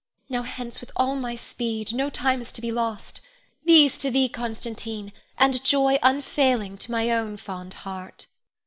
Now hence with all my speed, no time is to be lost! These to thee, Constantine, and joy unfailing to my own fond heart.